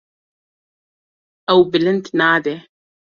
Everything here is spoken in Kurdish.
Ew bilind nabe.